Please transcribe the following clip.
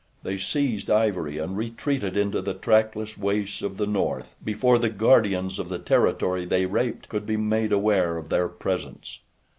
They seized ivory and retreated into the trackless wastes of the north before the guardians of the territory they raped could be made aware of their presence.